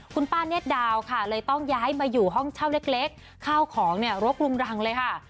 คุณป้าเนธดาวค่ะเลยต้องย้ายมาอยู่ห้องเช่าเล็กข้าวของเนี่ยรกรุงรังเลยค่ะ